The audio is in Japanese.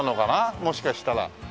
もしかしたら。